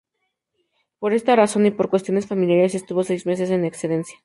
Por esta razón y por cuestiones familiares, estuvo seis meses en excedencia.